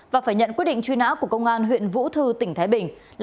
và phải nhận quyết định truy nã của công an huyện vũ thư tỉnh thái bình